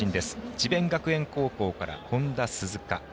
智弁学園高校からＨｏｎｄａ鈴鹿。